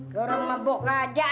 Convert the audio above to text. kau orang mabok aja ah